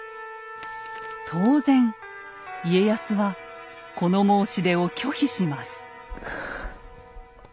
当然家康はこの申し出を拒否します。